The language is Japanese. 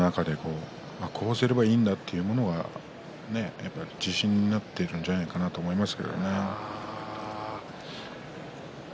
何かが自分の中でこうすればいいんだということ自信になっているんじゃないかなと思います。